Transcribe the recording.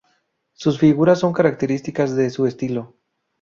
Sus figuras son características de su estilo.